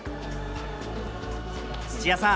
土屋さん